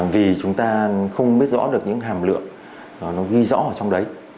vì chúng ta không biết rõ được những hàm lượng ghi rõ trong đấy